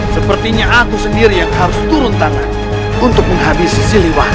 sepertinya aku sendiri yang harus turun tanah untuk menghabisi silih waham